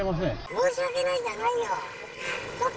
申し訳ないじゃないよ。